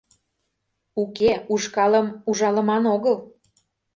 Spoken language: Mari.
Уке, ушкалым ужалыман огыл!